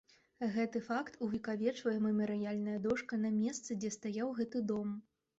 Гэты факт увекавечвае мемарыяльная дошка на месцы, дзе стаяў гэты дом.